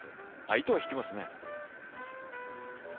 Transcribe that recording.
糸は引きますね。